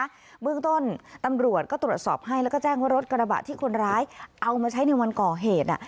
เบื้องต้นตำรวจก็ตรวจสอบให้แล้วก็แจ้งว่ารถกระบะที่คนร้ายเอามาใช้ในวันก่อเหตุ